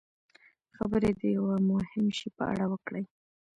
خبرې د یوه مهم شي په اړه وکړي.